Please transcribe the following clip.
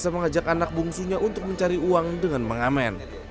mengajak anak bungsunya untuk mencari uang dengan mengamen